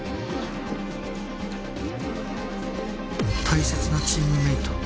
「大切なチームメート」